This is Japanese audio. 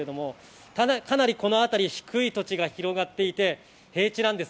ただこのあたりかなり低い土地が広がっていて平地なんです。